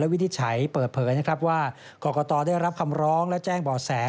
วินิจฉัยเปิดเผยนะครับว่ากรกตได้รับคำร้องและแจ้งบ่อแส